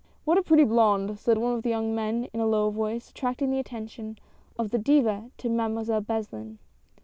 " What a pretty blonde !" said one of the young men in a low voice, attracting the attention of the Diva to Mademoiselle Beslin.